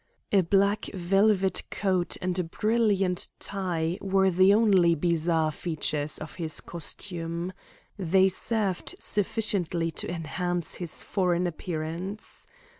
A black velvet coat and a brilliant tie were the only bizarre features of his costume. They served sufficiently to enhance his foreign appearance.